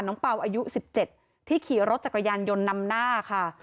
เป่าอายุ๑๗ที่ขี่รถจักรยานยนต์นำหน้าค่ะ